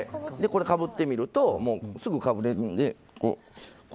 これかぶってみるとすぐかぶれるので。